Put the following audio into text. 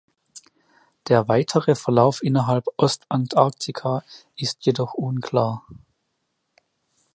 Der weitere Verlauf innerhalb Ostantarktika ist jedoch unklar.